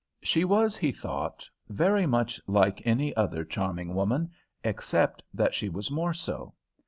She was, he thought, very much like any other charming woman, except that she was more so.